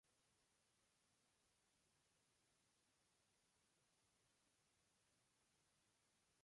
Las mujeres romanas invocaban su nombre en sus juramentos sagrados.